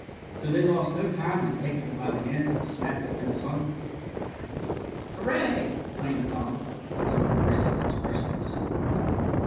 So they lost no time in taking it by the ends and snapping it asunder. "Hurrah!" exclaimed Donald, observing Grace's expression of disappointment.